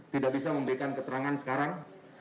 tidak bisa memberikan keterangan sekarang